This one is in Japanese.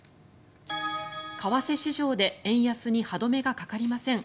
為替市場で円安に歯止めがかかりません。